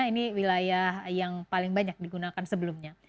ini wilayah yang paling banyak digunakan sebelumnya